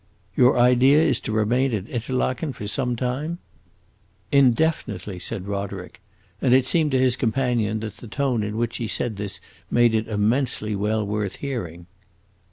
"Your idea is to remain at Interlaken some time?" "Indefinitely!" said Roderick; and it seemed to his companion that the tone in which he said this made it immensely well worth hearing.